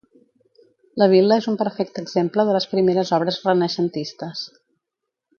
La vil·la és un perfecte exemple de les primeres obres renaixentistes.